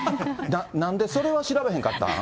なんでそれは調べへんかった？